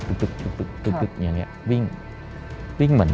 ตึกอย่างนี้วิ่ง